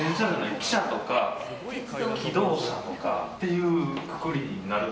汽車とか機動車というくくりになる。